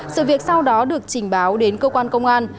sự việc sau đó được trình báo đến cơ quan công an